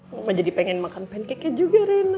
mama jadi pengen makan pancake nya juga rena